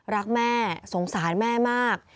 รักแม่สงสารแม่มาก